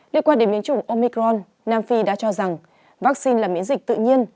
liên quan đến biến chủng omicron nam phi đã cho rằng vaccine là miễn dịch tự nhiên